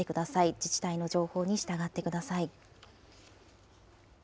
自治体の情報に従ってください。